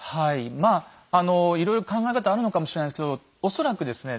まあいろいろ考え方あるのかもしれないですけど恐らくですね